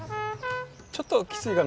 ちょっときついかな。